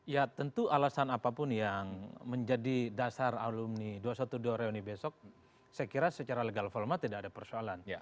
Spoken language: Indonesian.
ya tentu alasan apapun yang menjadi dasar alumni dua ratus dua belas reuni besok saya kira secara legal format tidak ada persoalan